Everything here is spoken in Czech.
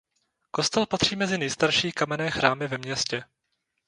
Kostel patří mezi nejstarší kamenné chrámy ve městě.